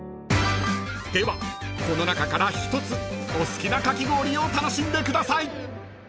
［ではこの中から１つお好きなかき氷を楽しんでください］